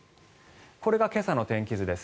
これが今朝の天気図です。